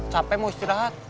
capek mau istirahat